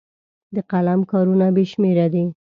د قلم کارونه بې شمېره دي.